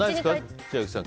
千秋さん